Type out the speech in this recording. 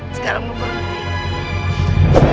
sekarang mau berhenti